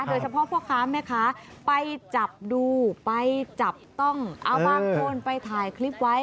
โดยเฉพาะพ่อค้าแม่ค้าไปจับดูไปจับต้องเอาบางคนไปถ่ายคลิปไว้